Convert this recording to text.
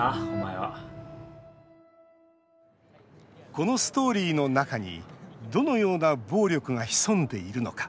このストーリーの中にどのような暴力が潜んでいるのか。